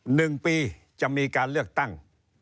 หนึ่งปีจะมีการเลือกตั้ง